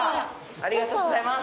ありがとうございます。